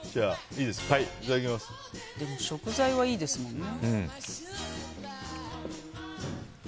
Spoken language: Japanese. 食材はいいですもんね。